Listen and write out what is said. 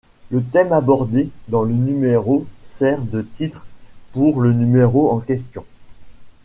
Le thème abordé dans le numéro, sert de titre pour le numéro en question.